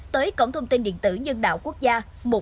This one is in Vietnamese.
tới cổng thông tin điện tử nhân đạo quốc gia một nghìn một trăm linh